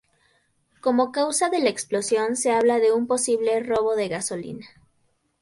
Como causa de la explosión se habla de un posible robo de gasolina.